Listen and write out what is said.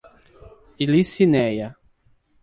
Ilicínea